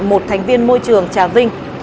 một thành viên môi trường trà vinh